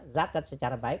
zakat secara baik